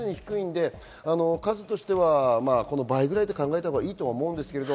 数としてはこの倍ぐらいと考えたほうがいいと思います。